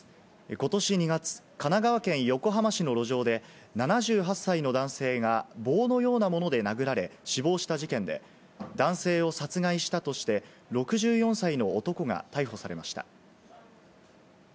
ことし２月、神奈川県横浜市の路上で７８歳の男性が棒のようなもので殴られ死亡した事件で、男性を殺害したとして、６４歳の男が逮捕されました。